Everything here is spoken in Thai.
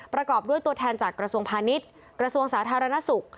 ประกอบด้วยตัวแทนจากกระทรวงพาณิชย์กระทรวงสาธารณสุข